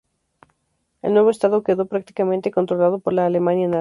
El nuevo estado quedó prácticamente controlado por la Alemania nazi.